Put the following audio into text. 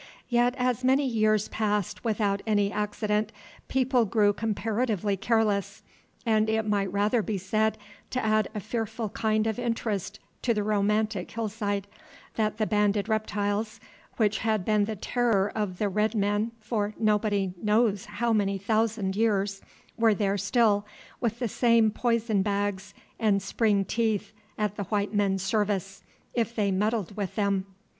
Yet, as many years passed without any accident, people grew comparatively careless, and it might rather be said to add a fearful kind of interest to the romantic hillside, that the banded reptiles, which had been the terror of the red men for nobody knows how many thousand years, were there still, with the same poison bags and spring teeth at the white men's service, if they meddled with them.